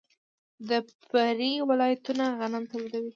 د پریري ولایتونه غنم تولیدوي.